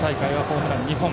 長野大会はホームラン２本。